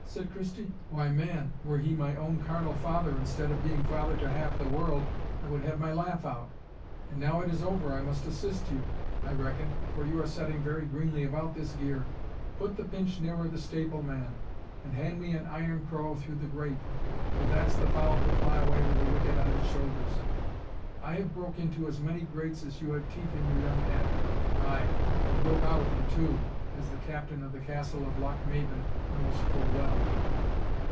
said Christie; "why, man, were he my own carnal father, instead of being father to half the world, I would have my laugh out. And now it is over, I must assist you, I reckon, for you are setting very greenly about this gear put the pinch nearer the staple, man, and hand me an iron crow through the grate, for that's the fowl to fly away with a wicket on its shoulders. I have broke into as many grates as you have teeth in your young head ay, and broke out of them too, as the captain of the Castle of Lochmaben knows full well."